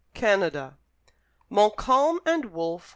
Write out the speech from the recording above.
CANADA Montcalm and Wolfe!